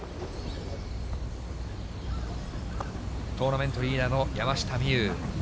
トーナメントリーダーの山下美夢有。